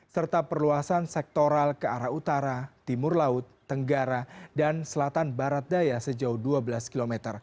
serta perluasan sektoral ke arah utara timur laut tenggara dan selatan barat daya sejauh dua belas km